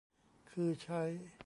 คือใช้